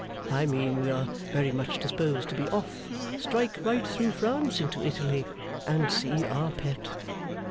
I mean, we are very much disposed to be off, strike right through France into Italy, and see our Pet.